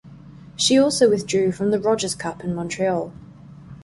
She also withdrew from the Rogers Cup in Montreal.